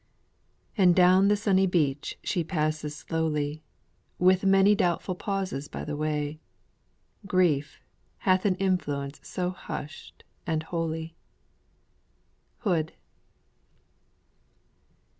"And down the sunny beach she paces slowly, With many doubtful pauses by the way; Grief hath an influence so hushed and holy." HOOD.